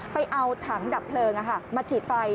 ไปเอาถังดับเพลิงมาฉีดไฟ